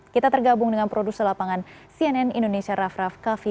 kita tergabung dengan produser lapangan cnn indonesia raff raff kaffi